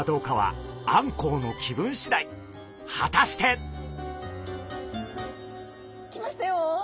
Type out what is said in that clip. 果たして？来ましたよ。